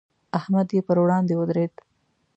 احمد یې پر وړاندې ودرېد.